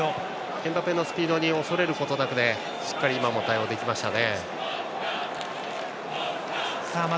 エムバペのスピードに恐れることなく対応できましたね。